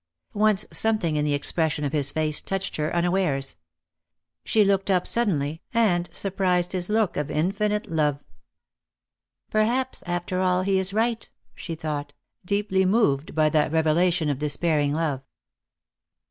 Once something in the expression of his face touched her unawares. She looked up suddenly, and surprised his look of infinite love. " Perhaps, after all, he is right," she thought, deeply moved by that revelation of despairing love.